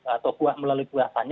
atau melalui kuasanya